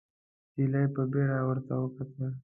نجلۍ په بيړه ورته وکتل.